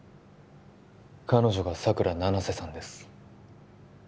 彼女が佐倉七瀬さんです